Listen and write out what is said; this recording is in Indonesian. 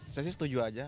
saya sih setuju aja